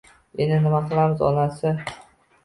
Endi nima qilamiz onasi